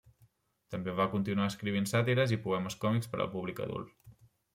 També va continuar escrivint sàtires i poemes còmics per al públic adult.